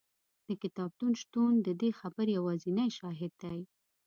د کتابتون شتون د دې خبرې یوازینی شاهد دی.